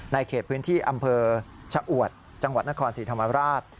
เขตพื้นที่อำเภอชะอวดจังหวัดนครศรีธรรมราช